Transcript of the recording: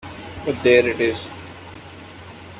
But there it is.